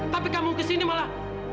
tapi kamu ke sini malah